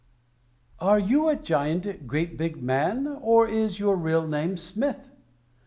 Are you a Giant, great big man, or is your real name Smith?